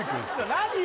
何？